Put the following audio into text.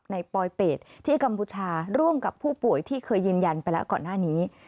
ปลอยเป็ดที่กัมพูชาร่วมกับผู้ป่วยที่เคยยืนยันไปแล้วก่อนหน้านี้